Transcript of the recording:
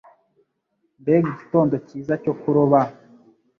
Mbega igitondo cyiza cyo kuroba!